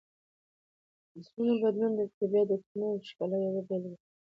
د فصلونو بدلون د طبیعت د تنوع او ښکلا یوه بله بېلګه ده.